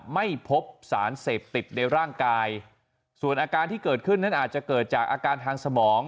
ไม่พบสารเสพติดในร่างกายส่วนอาการที่เกิดขึ้นนั้นอาจจะเกิดจากอาการทางสมอง